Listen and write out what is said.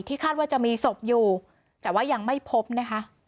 คาดว่าจะมีศพอยู่แต่ว่ายังไม่พบนะคะ